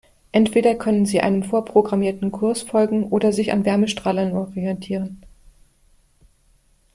Entweder können sie einem vorprogrammierten Kurs folgen oder sich an Wärmestrahlern orientieren.